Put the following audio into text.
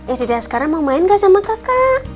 eh dede askara mau main gak sama kakak